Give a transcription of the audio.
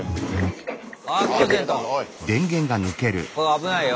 危ないよ。